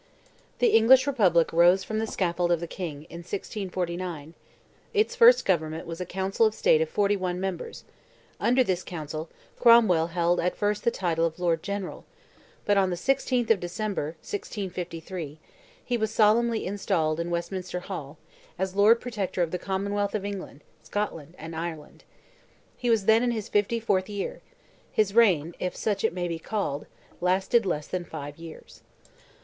The English republic rose from the scaffold of the King, in 1649; its first government was a "Council of State" of forty one members; under this council, Cromwell held at first the title of Lord General; but, on the 16th December, 1653, he was solemnly installed, in Westminster Hall, as "Lord Protector of the Commonwealth of England, Scotland, and Ireland." He was then in his fifty fourth year; his reign—if such it may be called—lasted less than five years.